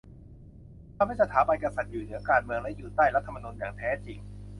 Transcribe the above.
ทำให้สถาบันกษัตริย์อยู่เหนือการเมืองและอยู่ใต้รัฐธรรมนูญอย่างแท้จริง